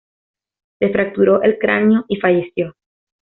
Se fracturó el cráneo y falleció.